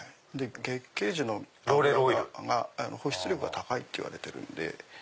月桂樹の油が保湿力が高いっていわれてるんで。